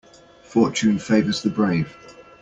Fortune favours the brave.